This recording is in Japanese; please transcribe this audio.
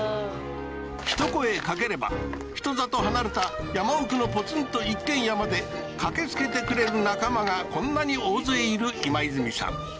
ひと声かければ人里離れた山奥のポツンと一軒家まで駆けつけてくれる仲間がこんなに大勢いる今泉さん